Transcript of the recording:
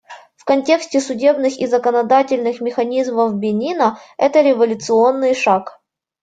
В контексте судебных и законодательных механизмов Бенина — это революционный шаг.